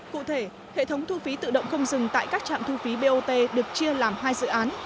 cụ thể hệ thống thu phí tự động không dừng tại các trạm thu phí bot được chia làm hai dự án